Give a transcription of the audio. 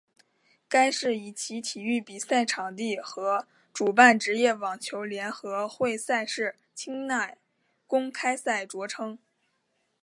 该市以其体育比赛场地和主办职业网球联合会赛事清奈公开赛着称。